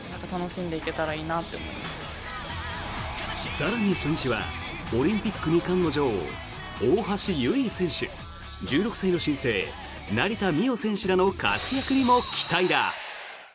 更に初日はオリンピック２冠の女王大橋悠依選手１６歳の新星、成田実生選手らの活躍にも期待だ！